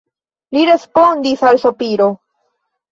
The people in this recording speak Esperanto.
Li respondis al sopiro.